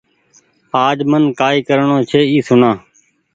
آج من ڪآئي ڪرڻو ڇي اي سوڻآ